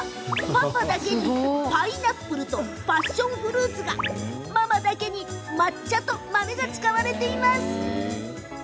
パパだけにパイナップルとパッションフルーツママだけに抹茶と豆が使われています。